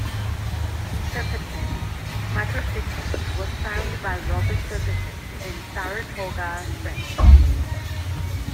Shepardson Microsystems was founded by Robert Shepardson in Saratoga Springs, New York.